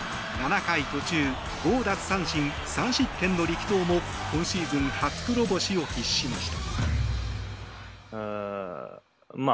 ７回途中５奪三振３失点の力投も今シーズン初黒星を喫しました。